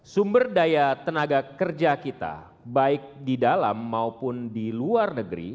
sumber daya tenaga kerja kita baik di dalam maupun di luar negeri